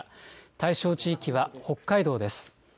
対象地域は北海道です。